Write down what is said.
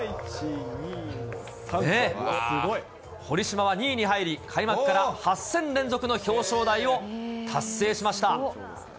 堀島は２位に入り、開幕から８戦連続の表彰台を達成しました。